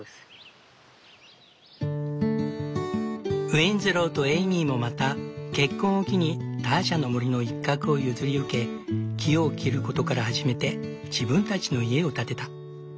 ウィンズローとエイミーもまた結婚を機にターシャの森の一角を譲り受け木を切ることから始めて自分たちの家を建てた。